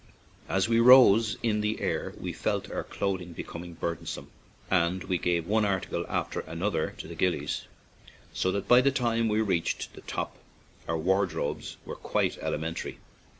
As we rose in the air we felt our clothing becoming burdensome, and we gave one article after another to the gil lies, so that by the time we reached the top our wardrobes were quite elementary.